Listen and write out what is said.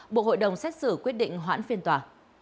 bộ hội đồng xét xử quyết định hoãn phiên tòa